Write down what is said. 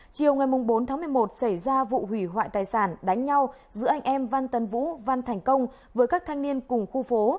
chiều ngày bốn tháng một mươi một xảy ra vụ hủy hoại tài sản đánh nhau giữa anh em văn tấn vũ văn thành công với các thanh niên cùng khu phố